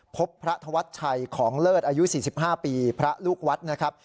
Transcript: พบพระธวัดชัยของเลิศอายุสี่สิบห้าปีพระลูกวัดนะครับ